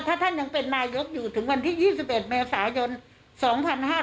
ถ้าท่านยังเป็นนายกอยู่ถึงวันที่๒๑เมษายน๒๕๕๙